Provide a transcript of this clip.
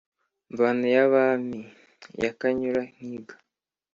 mvano ya bami ya kanyura-nkiga